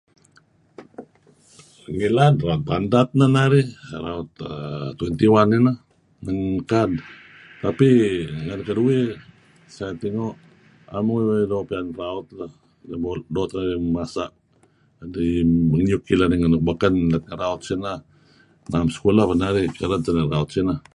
Ngilad raut bandat neh narih, raut twenty-one ineh narih ngan kad, tapi ngan keduih saya tengok am uih doo' piyan raut lah doo' tuih masa' dih ngiyuk ileh narih ngan nuk beken let ngan narih raut sineh. Na'em sekulah peh narih kereb teh narih naru' raut sinah.